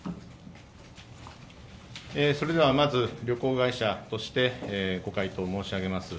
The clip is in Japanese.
まず旅行会社としてご回答申し上げます。